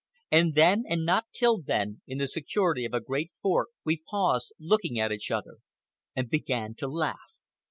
And then, and not till then, in the security of a great fork, we paused, looked at each other, and began to laugh.